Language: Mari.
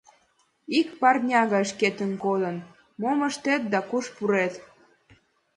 Ик парня гай шкетын кодын, мом ыштет да куш пурет?